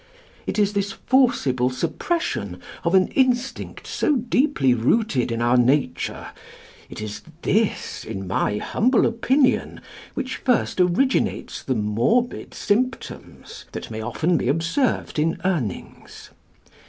It is this forcible suppression of an instinct so deeply rooted in our nature, it is this, in my humble opinion, which first originates the morbid symptoms, that may often be observed in Urnings.